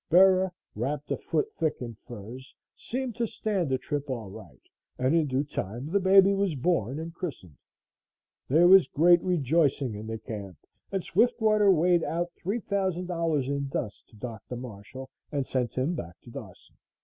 Bera, wrapped a foot thick in furs, seemed to stand the trip all right, and in due time the baby was born and christened. There was great rejoicing in the camp and Swiftwater weighed out $3,000 in dust to Dr. Marshall and sent him back to Dawson.